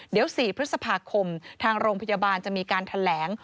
เดี๋ยว๔พฤษภาคมทางโรงพยาบาลจะมีการแถลง